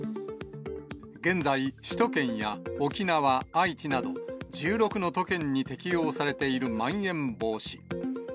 現在、首都圏や沖縄、愛知など、１６の都県に適用されているまん延防止。